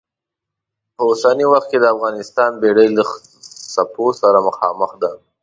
په اوسني وخت کې د افغانستان بېړۍ له څپو سره مخامخ ده.